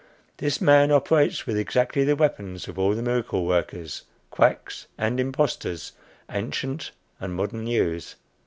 This man operates with exactly the weapons all the miracle workers, quacks, and impostors, ancient and modern use.